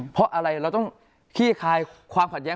เพราะอะไรเราต้องขี้คายความขัดแย้